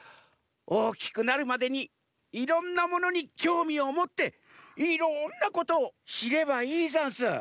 おおきくなるまでにいろんなものにきょうみをもっていろんなことをしればいいざんす。